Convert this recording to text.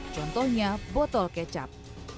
contohnya botol kecap